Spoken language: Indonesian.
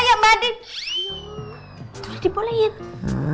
tuh di bolehin